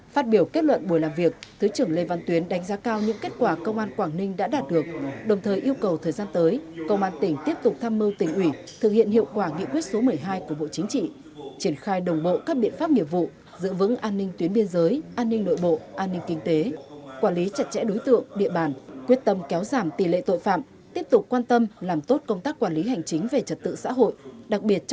phát biểu kết luận buổi làm việc thứ trưởng lê văn tuyến đánh giá cao những kết quả công an quảng ninh đã đạt được đồng thời yêu cầu thời gian tới công an tỉnh tiếp tục tham mưu tỉnh ủy thực hiện hiệu quả nghị quyết số một mươi hai của bộ chính trị triển khai đồng bộ các biện pháp nghiệp vụ giữ vững an ninh tuyến biên giới an ninh nội bộ an ninh kinh tế quản lý chặt chẽ đối tượng địa bàn quyết tâm kéo giảm tỷ lệ tội phạm tiếp tục quan tâm làm tốt công tác quản lý hành chính về trật tự xã hội đặc biệt